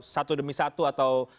satu demi satu atau